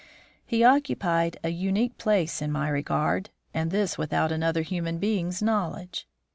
He occupied an unique place in my regard, and this without another human being's knowledge.